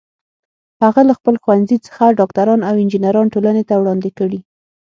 هغه له خپل ښوونځي څخه ډاکټران او انجینران ټولنې ته وړاندې کړي